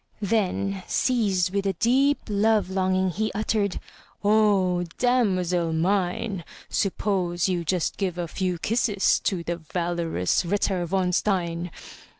Then, seized with a deep love longing, He uttered, "O damosel mine, Suppose you just give a few kisses To the valorous Ritter von Stein!"